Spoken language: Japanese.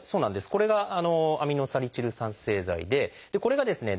これが５−アミノサリチル酸製剤でこれがですね